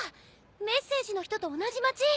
メッセージの人と同じ街。